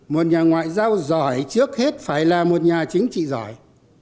một nhà ngoại giao giỏi trước hết phải là một nhà chính trị giỏi